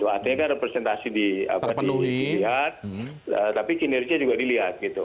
artinya kan representasi dilihat tapi kinerja juga dilihat gitu